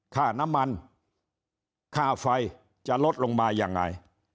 ข้าน้ำมันข้าวไฟเช่นลดลงไปยังไง